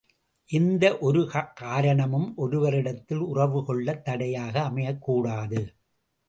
எந்த ஒரு காரணமும் ஒருவரிடத்தில் உறவு கொள்ளத் தடையாக அமையக்கூடாது.